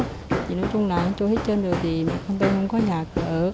thì nói chung là trôi hết chân rồi thì mẹ con tôi không có nhà cửa